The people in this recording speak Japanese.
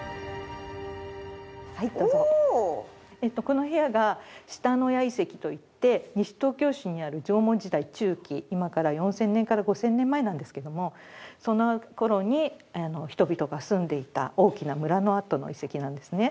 この部屋が下野谷遺跡といって西東京市にある縄文時代中期今から４０００年から５０００年前なんですけどもその頃に人々が住んでいた大きな村の跡の遺跡なんですね。